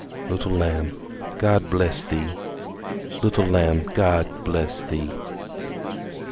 Little Lamb, God bless thee! Little Lamb, God bless thee!